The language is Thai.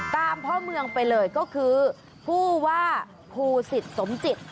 พ่อเมืองไปเลยก็คือผู้ว่าภูสิตสมจิต